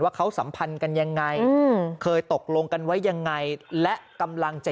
เขาสัมพันธ์กันยังไงเคยตกลงกันไว้ยังไงและกำลังจะ